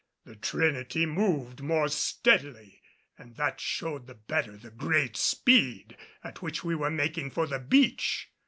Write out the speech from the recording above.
The Trinity moved more steadily, and that showed the better the great speed at which we were making for the beach.